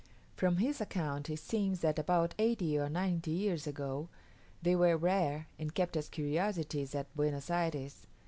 From his account it seems that about eighty or ninety years ago, they were rare and kept as curiosities at Buenos Ayres.